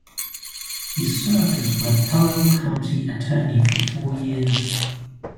He served as Wapello County Attorney for four years.